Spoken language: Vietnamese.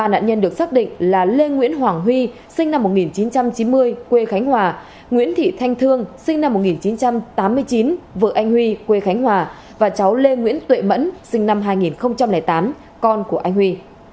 ba nạn nhân được xác định là lê nguyễn hoàng huy sinh năm một nghìn chín trăm chín mươi quê khánh hòa nguyễn thị thanh thương sinh năm một nghìn chín trăm tám mươi chín vợ anh huy quê khánh hòa và cháu lê nguyễn tuệ mẫn sinh năm hai nghìn tám con của anh huy